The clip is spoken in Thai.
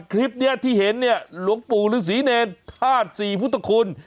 คลิปนี้ที่เห็นเนี่ยหลวงปู่ฤษีเนรธาตุศรีพุทธคุณ